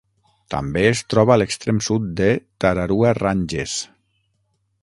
També es troba a l'extrem sud de Tararua Ranges.